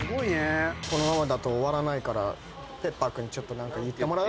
このままだと終わらないからペッパーくんに何か言ってもらう？